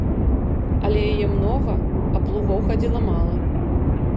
Але яе многа, а плугоў хадзіла мала.